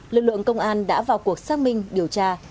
lực lượng công an đã vào cuộc xác minh điều tra